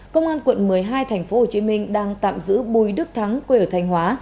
công an quận một mươi hai tp hcm đang tạm giữ bùi đức thắng quê ở thanh hóa